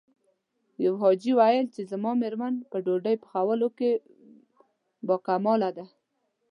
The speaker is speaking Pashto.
يوه حاجي ويل چې زما مېرمن په ډوډۍ پخولو کې باکماله ده.